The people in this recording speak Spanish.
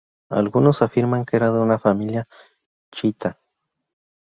Algunos afirman que era de una familia chiíta.